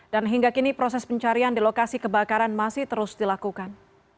dan hingga kini proses pencarian di lokasi kebakaran masih terus dilakukan